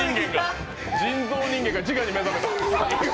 人造人間が自我に目覚めた。